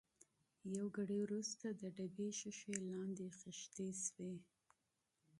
یو ګړی وروسته د ډبې شېشې لندې خېشتې شوې.